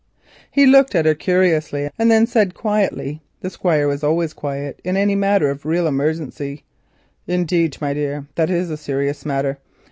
He looked at her curiously, and then said quietly—the Squire was always quiet in any matter of real emergency—"Indeed, my dear! That is a serious matter.